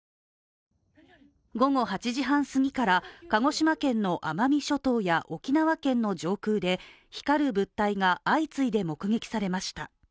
午後８時半すぎから鹿児島県の奄美諸島や沖縄県の上空で光る物体が相次いで目撃されました。